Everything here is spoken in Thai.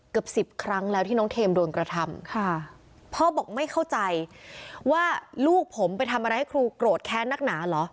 เกือบสิบครั้งแล้วที่น้องเทมโดนกระทำค่ะพ่อบอกไม่เข้าใจว่าลูกผมไปทำอะไรให้ครูโกรธแค้นนักหนาเหรอ